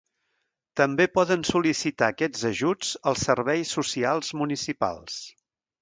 També poden sol·licitar aquests ajuts els serveis socials municipals.